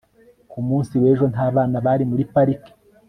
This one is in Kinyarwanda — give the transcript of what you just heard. ku munsi w'ejo, nta bana bari muri parike